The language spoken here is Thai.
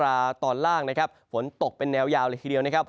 ตอนล่างนะครับฝนตกเป็นแนวยาวเลยทีเดียวนะครับ